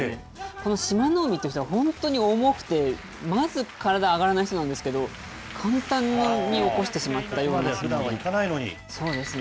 この志摩ノ海という人は、本当に重くて、まず体上がらない人なんですけど、簡単に身を起してしまったようですね。